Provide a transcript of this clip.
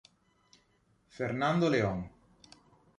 Fernando León